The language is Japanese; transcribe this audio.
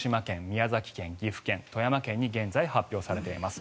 宮崎県岐阜県、富山県に現在、発表されています。